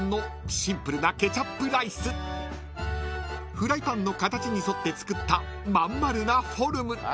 ［フライパンの形にそって作った真ん丸なフォーム］